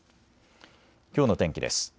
きょうの天気です。